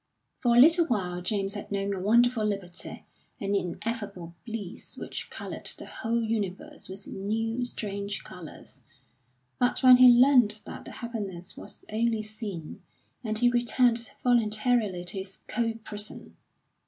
For a little while James had known a wonderful liberty, an ineffable bliss which coloured the whole universe with new, strange colours. But then he learnt that the happiness was only sin, and he returned voluntarily to his cold prison....